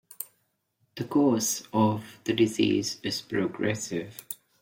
The course of the disease is progressive.